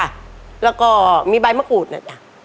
หรือมีใบมะกรูดเนี่ย